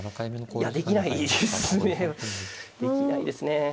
いやできないですね。